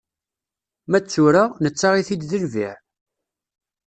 Ma d tura, nettaɣ-it-id d lbiɛ.